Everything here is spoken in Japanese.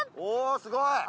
おすごい！